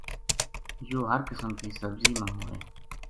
یوہ ہر قسم کی سبزی ما ہووے۔